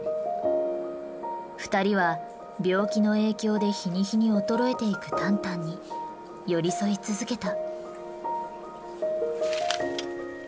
二人は病気の影響で日に日に衰えていくタンタンに寄り添い続けた。